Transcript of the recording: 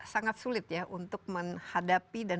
sangat sulit ya untuk menghadapi dan